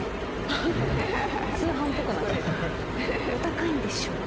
お高いんでしょう？